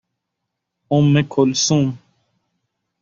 اُمکلثوم